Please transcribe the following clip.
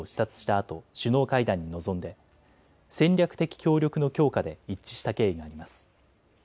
あと首脳会談に臨んで戦略的協力の強化で一致した経緯があります。